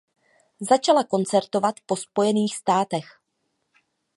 Začala koncertovat po Spojených státech.